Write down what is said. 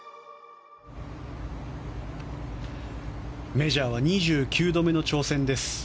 メジャーは２９度目の挑戦です。